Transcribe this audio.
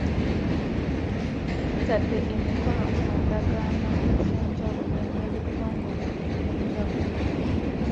Tutadde emikono ku ndagaano ez'enjawulo n'ebitongole eby'enjawulo.